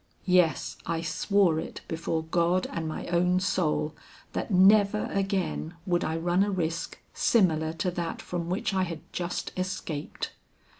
Yes, I swore it before God and my own soul, that never again would I run a risk similar to that from which I had just escaped.